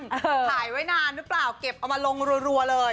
ถ่ายไว้นานหรือเปล่าเก็บเอามาลงรัวเลย